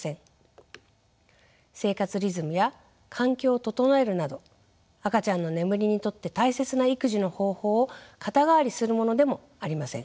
生活リズムや環境を整えるなど赤ちゃんの眠りにとって大切な育児の方法を肩代わりするものでもありません。